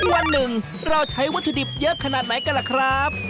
วันหนึ่งเราใช้วัตถุดิบเยอะขนาดไหนกันล่ะครับ